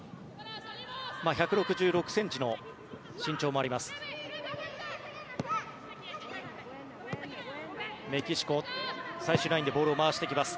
１６６ｃｍの身長もあります。